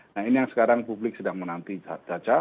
nah ini yang sekarang publik sedang menanti caca